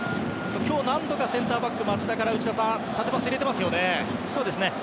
今日は何度かセンターバックの町田から縦パスは入れています。